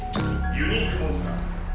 ユニークモンスター。